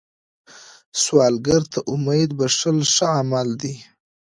سوالګر ته امید بښل ښه عمل دی